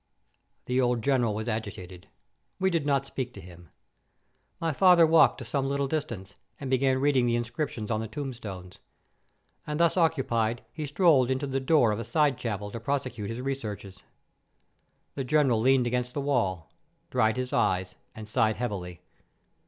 The old General was agitated. We did not speak to him. My father walked to some little distance, and began reading the inscriptions on the tombstones; and thus occupied, he strolled into the door of a side chapel to prosecute his researches. The General leaned against the wall, dried his eyes, and sighed heavily.